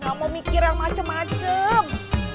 gak mau mikir yang macem macem